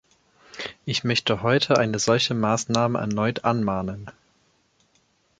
Ich möchte heute eine solche Maßnahme erneut anmahnen.